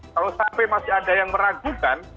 kalau sampai masih ada yang meragukan